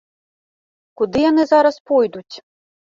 Куды яны зараз пойдуць?